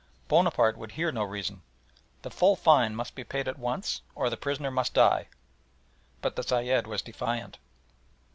Bonaparte would hear no reason. The full fine must be paid at once or the prisoner must die. But the Sayed was defiant.